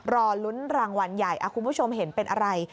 รอลุ้นรางวัลใหญ่คุณผู้ชมเห็นเป็นอะไร